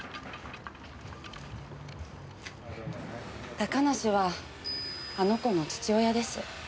高梨はあの子の父親です。